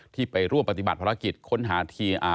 ที่ไปร่วมปฏิบัติภารกิจค้นหาที